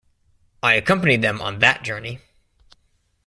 I accompanied them on that journey...